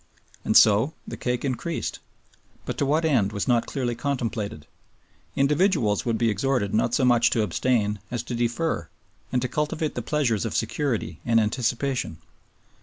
And so the cake increased; but to what end was not clearly contemplated. Individuals would be exhorted not so much to abstain as to defer, and to cultivate the pleasures of security and anticipation.